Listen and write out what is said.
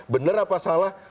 benar apa salah